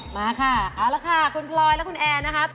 มาค่ะเอาละค่ะคุณพลอยและคุณแอร์นะครับ